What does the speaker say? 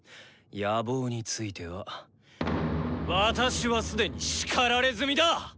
野望については私は既に叱られ済みだ！